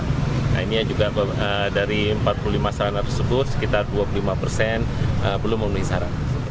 nah ini juga dari empat puluh lima sarana tersebut sekitar dua puluh lima persen belum memenuhi syarat